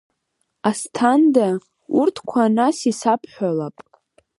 Асҭанда, урҭқәа нас исабҳәалап.